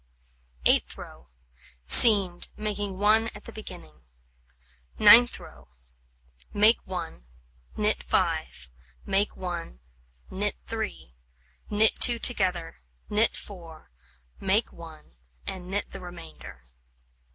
Eighth row: Seamed, making 1 at the beginning. Ninth row: Make 1, knit 5, make 1, knit 3, knit 2 together, knit 4, make 1, and knit the remainder.